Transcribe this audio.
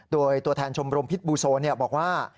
โดยตัวแทนชมรมพิษบูโซบอกว่า